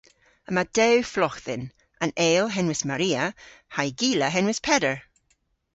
Yma dew flogh dhyn - an eyl henwys Maria ha'y gila henwys Peder.